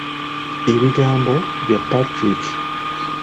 Ebigambo bya Patrick.